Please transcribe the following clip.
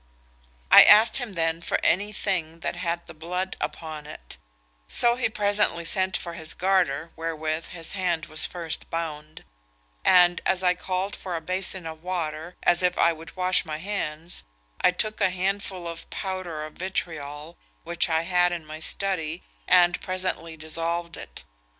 "I asked him then for any thing that had the blood upon it: so he presently sent for his garter, wherewith his hand was first bound; and as I called for a basin of water, as if I would wash my hands, I took a handful of powder of vitriol, which I had in my study, and presently dissolved it.